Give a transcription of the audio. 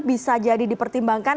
bisa jadi dipertimbangkan